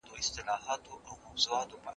که نبات وي نو اکسیجن نه کمیږي.